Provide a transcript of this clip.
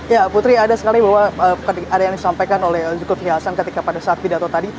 ya putri ada sekali bahwa ada yang disampaikan oleh zulkifli hasan ketika pada saat pidato tadi